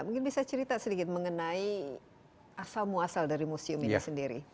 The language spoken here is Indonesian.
mungkin bisa cerita sedikit mengenai asal muasal dari museum ini sendiri